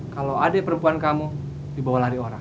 kalau adik perempuan kamu dibawa lari orang